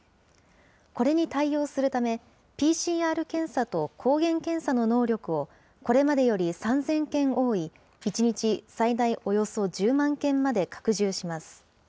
これに対応するため、ＰＣＲ検査と抗原検査の能力をこれまでより３０００件多い、１日最大およそ１０万件まで拡充します。